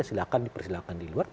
silahkan dipersilakan di luar